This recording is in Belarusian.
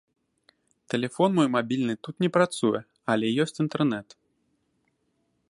Тэлефон мой мабільны тут не працуе, але ёсць інтэрнэт.